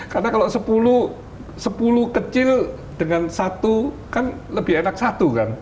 karena kalau sepuluh kecil dengan satu kan lebih enak satu kan